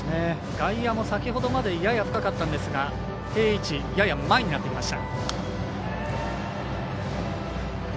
外野も先ほどまでやや深かったんですが定位置やや前になっていました。